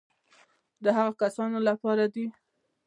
د هغو کسانو لپاره دي.